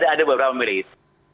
ada beberapa milik